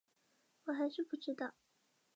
康宁汉生于美国俄亥俄州的辛辛那提市。